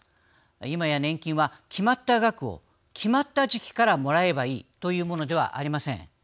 今や年金は、決まった額を決まった時期からもらえばいいというものではありません。